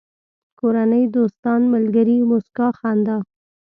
کورنۍ، دوستان، ملگري، موسکا، خندا